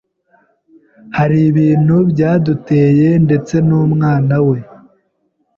hari ibintu byaduteye ndetse n’umwana we